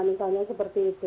misalnya seperti itu